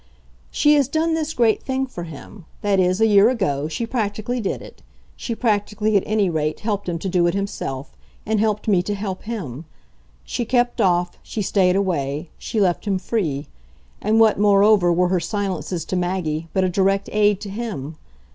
"She has done this great thing for him. That is, a year ago, she practically did it. She practically, at any rate, helped him to do it himself and helped me to help him. She kept off, she stayed away, she left him free; and what, moreover, were her silences to Maggie but a direct aid to him?